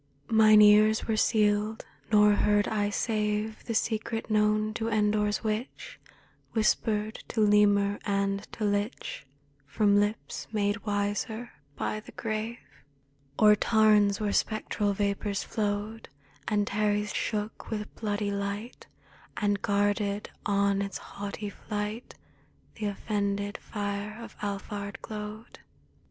Mine ears were sealed, nor heard I save The secret known to Endor's witch — Whispered to lemur and to lich From lips made wiser by the grave. 78 A DREAM OF FEAR O'er tarns where spectral vapors flowed Antares shook with bloody light, And guarded on its haughty flight The offended fire of Alphard glowed.